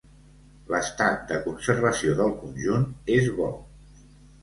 L'estat de conservació del conjunt és bo.